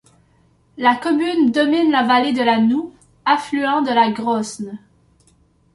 La commune domine la vallée de la Noue, affluent de la Grosne.